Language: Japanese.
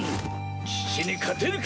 父に勝てるか？